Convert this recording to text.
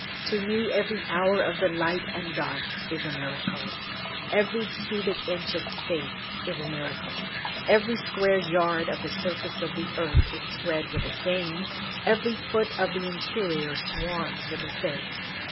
To me every hour of the light and dark is a miracle, Every cubic inch of space is a miracle, Every square yard of the surface of the earth is spread with the same, Every foot of the interior swarms with the same.